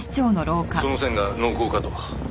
「その線が濃厚かと」